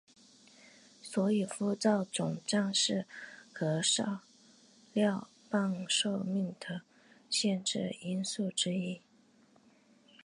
所以辐照肿胀是核燃料棒寿命的限制因素之一。